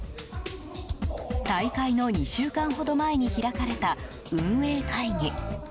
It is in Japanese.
大会の２週間ほど前に開かれた運営会議。